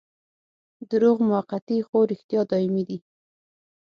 دروغ موقتي خو رښتیا دايمي دي.